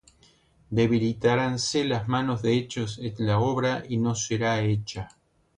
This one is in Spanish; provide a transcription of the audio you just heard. Debilitaránse las manos de ellos en la obra, y no será hecha.